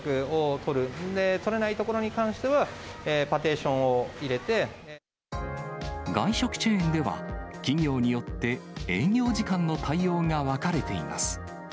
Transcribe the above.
それで取れない所に関しては、外食チェーンでは、企業によって営業時間の対応が分かれています。